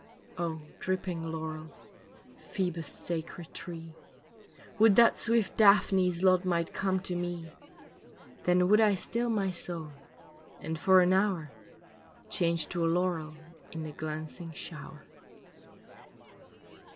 Oh dripping laurel, Phoebus sacred tree, Would that swift Daphne's lot might come to me, Then would I still my soul and for an hour Change to a laurel in the glancing shower.